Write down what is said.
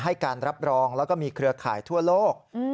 ให้การรับรองแล้วก็มีเครือข่ายทั่วโลก